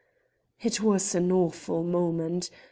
It was an awful moment.